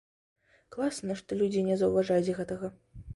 Класна, што людзі не заўважаюць гэтага.